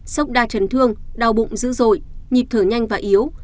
sốc đa chấn thương đau bụng dữ dội nhịp thở nhanh và yếu